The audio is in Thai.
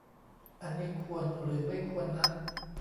อันนี้ควร หรือไม่ควรนะ